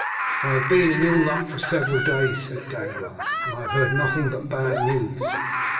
"I have been in ill luck for several days," said Danglars, "and I have heard nothing but bad news."